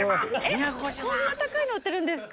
こんな高いの売ってるんですか？